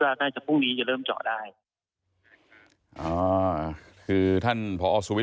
อนุญาตน่าจากพรุ่งนี้จะเริ่มเจาะได้อ๋อคือท่านพอศูมิ